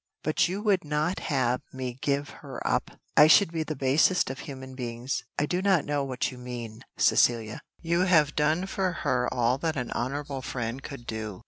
"But you would not have me give her up! I should be the basest of human beings." "I do not know what you mean, Cecilia; you have done for her all that an honourable friend could do."